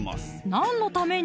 何のために？